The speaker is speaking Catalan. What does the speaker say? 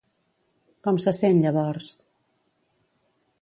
Com se sent, llavors?